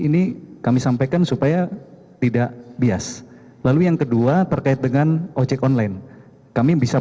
ini kami sampaikan supaya tidak bias lalu yang kedua terkait dengan ojek online kami bisa